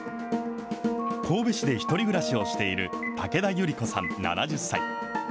神戸市で１人暮らしをしている竹田ゆり子さん７０歳。